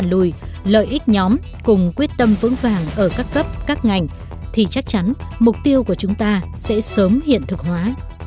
nếu nhóm cùng quyết tâm vững vàng ở các cấp thì chắc chắn mục tiêu của chúng ta sẽ sớm hiện thực hóa